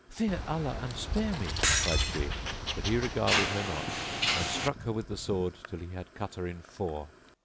"Fear Allah and spare me," cried she; but he regarded her not and struck her with the sword till he had cut her in four.